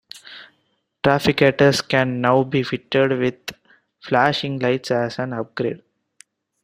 Trafficators can now be fitted with flashing lights as an upgrade.